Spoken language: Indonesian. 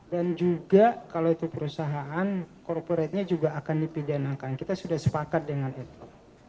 dan juga kalau itu perusahaan korporatnya juga akan dipidanakan kita sudah sepakat dengan itu